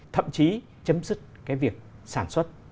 thậm chí chấm dứt cái việc sản xuất